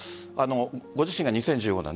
ご自身が２０１５年